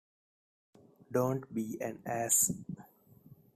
Don't be an ass.